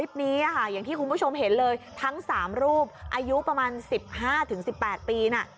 ลิปนี้อะฮะอย่างที่คุณผู้ชมเห็นเลยทั้งสามรูปอายุประมาณสิบห้าถึงสิบแปดปีน่ะ